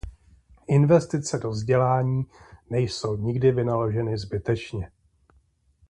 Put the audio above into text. Investice do vzdělání nejsou nikdy vynaloženy zbytečně.